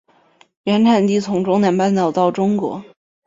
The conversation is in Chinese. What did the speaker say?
原产地从中南半岛到中国。